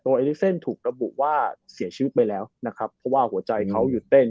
เอลิเซนถูกระบุว่าเสียชีวิตไปแล้วนะครับเพราะว่าหัวใจเขาหยุดเต้น